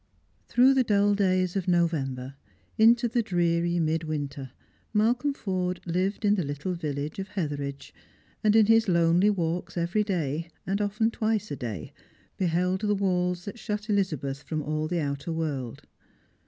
TiiKOtrGH the dull days of November, into the dreary mid winter, Malcolm Forde lived in the little village of Hetheridge, and in his lonely walks every day, and often twice a day, beheld the walls that shut EUzabeth from all the outer world.